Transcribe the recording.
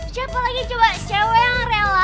siapa lagi coba cewek yang rela